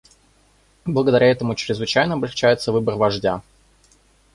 Благодаря этому чрезвычайно облегчается выбор вождя.